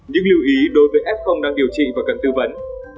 những lưu ý đối với f đang điều trị và cần tư vấn